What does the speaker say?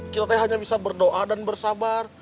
kita hanya bisa berdoa dan bersabar